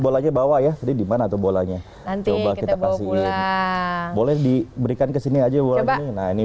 bolanya bawah ya jadi dimana atau bolanya nanti kita kasih boleh diberikan kesini aja udah ini